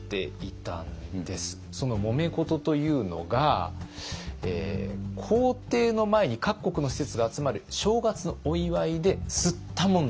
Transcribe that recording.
そのもめ事というのが皇帝の前に各国の使節が集まる正月のお祝いですったもんだがあったと。